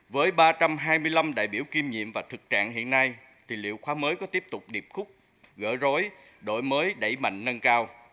với ba trăm hai mươi năm đại biểu kiêm nhiệm và thực trạng hiện nay thì liệu khóa mới có tiếp tục điệp khúc gỡ rối đổi mới đẩy mạnh nâng cao